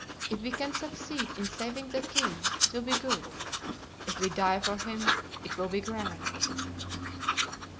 If we can succeed in saving the king it will be good; if we die for him it will be grand."